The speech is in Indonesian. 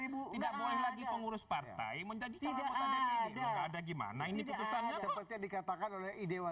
tidak boleh lagi pengurus partai menjadi tidak ada gimana ini seperti dikatakan oleh idewa